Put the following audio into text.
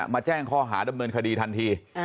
แจ้งข้อหาดำเนินคดีทันที